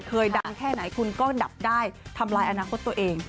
ดังแค่ไหนคุณก็ดับได้ทำลายอนาคตตัวเอง